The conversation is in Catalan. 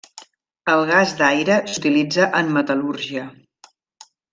El gas d'aire s'utilitza en metal·lúrgia.